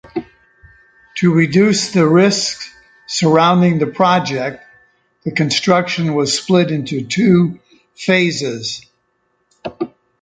To reduce the risks surrounding the project, the construction was split into two phases.